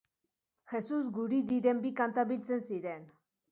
Jesus Guridiren bi kanta biltzen ziren.